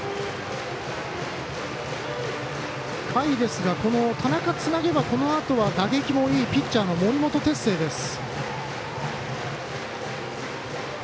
下位ですが田中がつなげばこのあとは打撃もいいピッチャーの森本哲星です。